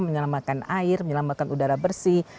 menyelamatkan air menyelamatkan udara bersih